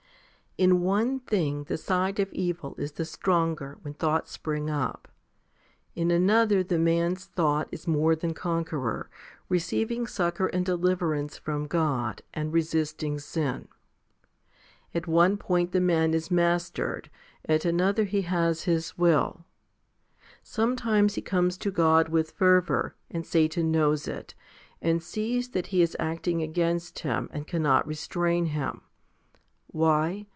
10. In one thing the side of evil is the stronger when thoughts spring up, in another the man's thought is more than conqueror, receiving succour and deliverance from God, and resisting sin. At one point the man is mastered, at another he has his will. Sometimes he comes to God with fervour, and Satan knows it, and sees that he is acting against him, and cannot restrain him. Why